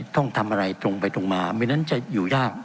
ต้องทำอะไรตรงไปตรงมาไม่งั้นจะอยู่ยาก